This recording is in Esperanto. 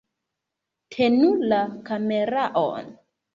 Tenu la kameraon